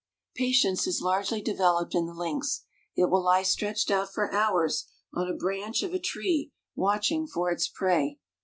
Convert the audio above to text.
Patience is largely developed in the lynx. It will lie stretched out for hours, on a branch of a tree, watching for its prey.